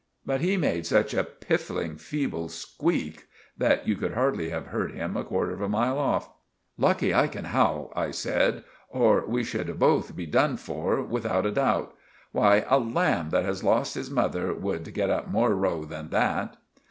But he made such a piffling, feeble squeak that you could hardly have heard him a quarter of a mile off. "Lucky I can howl," I said, "or we should both be done for without a dout. Why, a lamb that has lost its mother would get up more row than that."